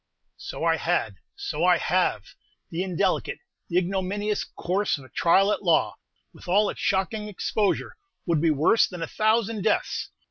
"So I had; so I have! The indelicate, the ignominious course of a trial at law, with all its shocking exposure, would be worse than a thousand deaths!